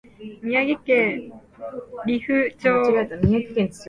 宮城県利府町